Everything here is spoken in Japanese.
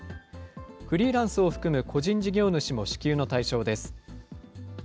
フリーランスを含む個人事業主も支給の対象です。